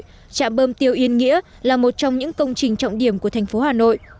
trạm bơm tiêu yên nghĩa là một trong những công trình trọng điểm của thành phố hà nội